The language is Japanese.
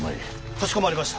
かしこまりました。